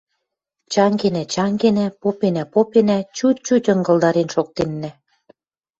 Чангенӓ-чангенӓ, попенӓ-попенӓ, чуть-чуть ынгылдарен шоктеннӓ